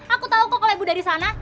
aku tahu kok kalau ibu dari sana